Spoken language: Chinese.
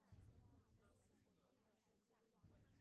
所以丽莎把班德到弗林克教授的实验室。